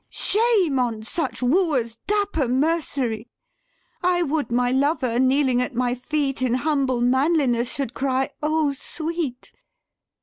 Shame on such wooer's dapper mercery! I would my lover kneeling at my feet In humble manliness should cry, O sweet!